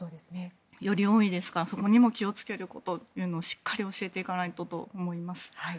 より多いですからそこにも気をつけることというのをしっかり教えていかないとと思います。